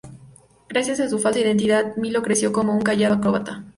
Gracias a su falsa identidad, Milo creció como un callado acróbata.